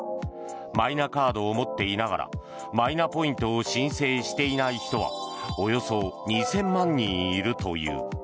マイナカードを持っていながらマイナポイントを申請していない人はおよそ２０００万人いるという。